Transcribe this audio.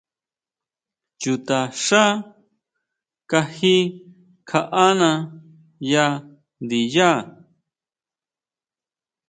Chuta xá kaji kjaʼána ya ndiyá.